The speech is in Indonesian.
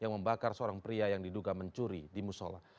yang membakar seorang pria yang diduga mencuri di musola